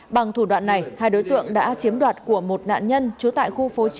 bằng thủ đoạn này hai đối tượng đã chiếm đoạt của một nạn nhân trú tại khu phố chín